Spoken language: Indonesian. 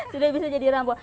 sudah bisa jadi rambu